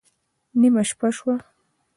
نېمه شپه شوه